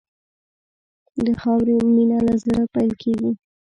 د خاورې مینه له زړه پیل کېږي.